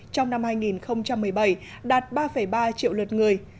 trong năm hai nghìn một mươi bảy đạt ba ba triệu lượt người